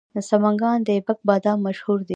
د سمنګان د ایبک بادام مشهور دي.